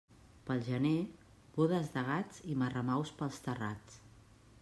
Pel gener, bodes de gats i marramaus pels terrats.